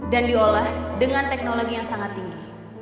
dan diolah dengan teknologi yang sangat tinggi